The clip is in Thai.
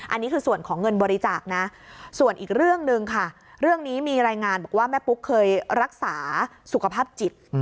อันนี้คือส่วนของเงินบริจาคนะส่วนอีกเรื่องหนึ่งค่ะเรื่องนี้มีรายงานบอกว่าแม่ปุ๊กเคยรักษาสุขภาพจิต